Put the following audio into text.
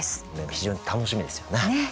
非常に楽しみですよね。